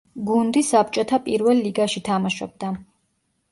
გუნდი საბჭოთა პირველ ლიგაში თამაშობდა.